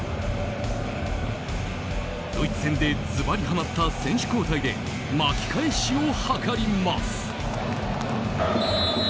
ドイツ戦でズバリはまった選手交代で巻き返しを図ります。